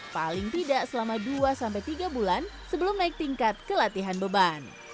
paling tidak selama dua sampai tiga bulan sebelum naik tingkat kelatihan beban